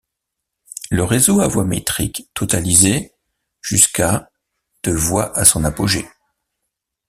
Le réseau à voie métrique totalisait jusqu'à de voies à son apogée.